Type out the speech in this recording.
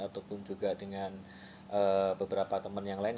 ataupun juga dengan beberapa teman yang lain